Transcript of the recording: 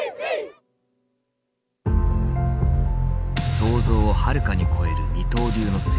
想像をはるかに超える二刀流の成功。